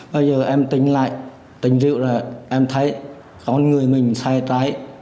bây giờ em tính lại tình rượu là em thấy con người mình sai trái